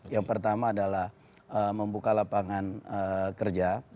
yang pertama adalah membuka lapangan kerja